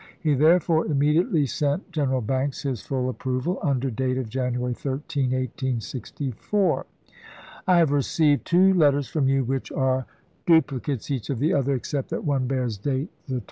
He, therefore, immediately sent Greneral Banks his full approval, under date of January 13, 1864. I have received two letters from you which are dupli cates each of the other, except that one bears date the 1863.